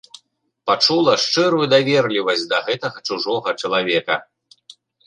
Пачула шчырую даверлівасць да гэтага чужога чалавека.